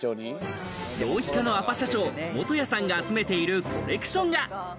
浪費家のアパ社長・元谷さんが集めているコレクションが。